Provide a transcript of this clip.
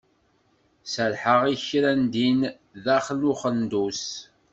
Serḥeɣ i kra din daxel n uxendus.